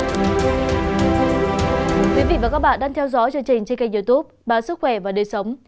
thưa quý vị và các bạn đang theo dõi chương trình trên kênh youtube báo sức khỏe và đời sống